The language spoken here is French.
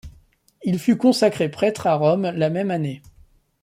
Il fut consacré prêtre à Rome la même année.